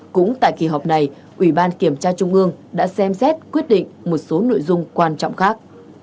cũng tại kỳ họp này ủy ban kiểm tra trung ương đã xem xét quyết định một số nội dung quan trọng khác